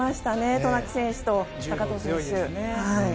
渡名喜選手と高藤選手。